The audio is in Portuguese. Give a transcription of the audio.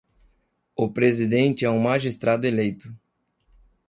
O presidente é um magistrado eleito.